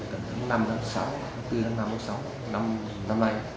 tầm tầm năm năm sáu tầm bốn tháng năm tháng sáu năm nay